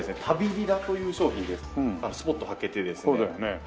「たびりら」という商品でスポッと履けてですね。